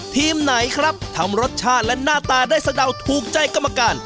ทีมไหนครับทำรสชาติและหน้าตาได้สะเดาถูกใจกรรมการ